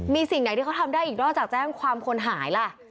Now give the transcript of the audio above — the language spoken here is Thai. มีสิ่งไหนที่เขาทำได้อีกนอกจากแจ้งความคนหายล่ะ